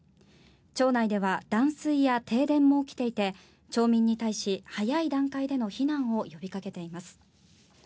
町内では断水や停電も起きていて町民に対し早い段階での避難を呼び掛けています。